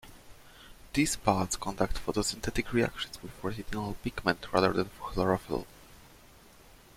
These parts conduct photosynthetic reactions with retinal pigment rather than chlorophyll.